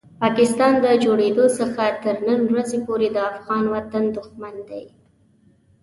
پاکستان د جوړېدو څخه تر نن ورځې پورې د افغان وطن دښمن دی.